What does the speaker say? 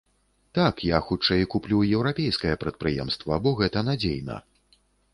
Так, я хутчэй куплю еўрапейскае прадпрыемства, бо гэта надзейна.